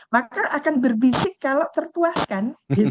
maka akan berbisik kalau tertuaskan